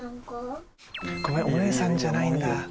お姉さんじゃないんだ。